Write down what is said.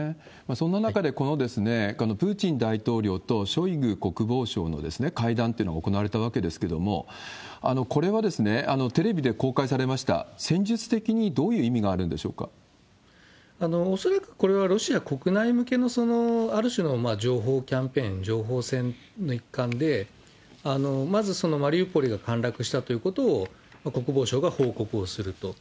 そんな中で、このプーチン大統領とショイグ国防相の会談というのが行われたわけですけれども、これはテレビで公開されました、戦術的にどういう意味があるんで恐らくこれは、ロシア国内向けのある種の情報キャンペーン、情報戦の一環で、まずマリウポリが陥落したということを国防相が報告をすると。